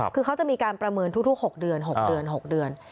คือเขาจะมีการประเมินทุก๖เดือน๖เดือน๖เดือน